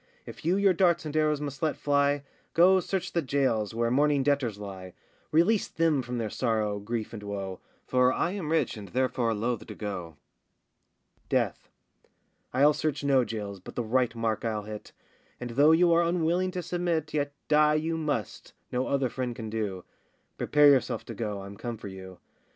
If you your darts and arrows must let fly, Go search the jails, where mourning debtors lie; Release them from their sorrow, grief, and woe, For I am rich and therefore loth to go. DEATH. I'll search no jails, but the right mark I'll hit; And though you are unwilling to submit, Yet die you must, no other friend can do,— Prepare yourself to go, I'm come for you.